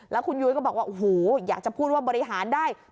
แล้วคุณยุ้ยก็บอกว่าโอ้โหอยากจะพูดว่าบริหารได้